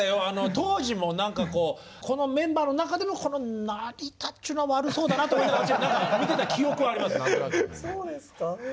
当時もこのメンバーの中でもこの成田っちゅうのは悪そうだなと思いながら見てた記憶はあります。